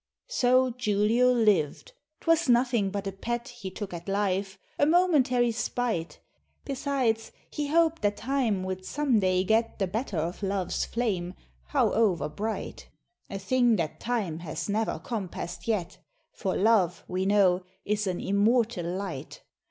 So Julio liv'd: 'twas nothing but a pet He took at life a momentary spite; Besides, he hoped that time would some day get The better of love's flame, howover bright; A thing that time has never compass'd yet, For love, we know, is an immortal light.